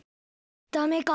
ダメか。